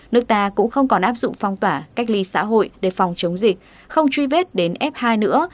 nước ta cũng không còn áp dụng phong tỏa cách ly xã hội để phòng chống dịch không truy vết đến f hai nữa